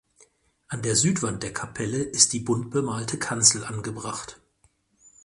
An der Südwand der Kapelle ist die bunt bemalte Kanzel angebracht.